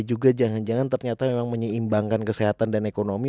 juga jangan jangan ternyata memang menyeimbangkan kesehatan dan ekonomi